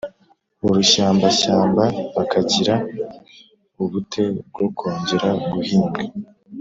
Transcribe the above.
urushyambashyamba bakagira ubute bwo kongera guhinga